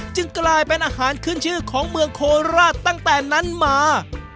กลายเป็นอาหารขึ้นชื่อของเมืองโคราชตั้งแต่นั้นมา